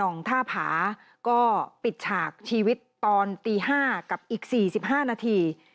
ท่าผาก็ปิดฉากชีวิตตอนตี๕กับอีก๔๕นาที